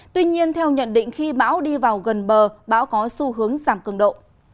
tuy nhiên theo nhận định khi bão đi vào gần bờ bão có xu hướng giảm cường độ